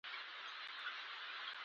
چې اوسې په خوی په د هغو سې.